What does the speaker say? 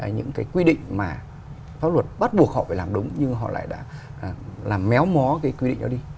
những cái quy định mà pháp luật bắt buộc họ phải làm đúng nhưng họ lại đã làm méo mó cái quy định đó đi